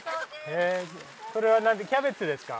それは何キャベツですか？